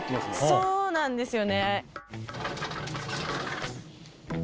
そうなんですよ。